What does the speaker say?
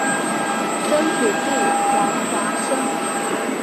曾祖父黄华生。